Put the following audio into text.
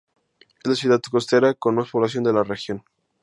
Es la ciudad costera con más población de la región.